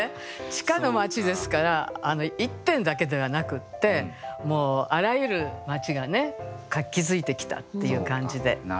地下の街ですから１店だけではなくってあらゆる街がね活気づいてきたっていう感じで。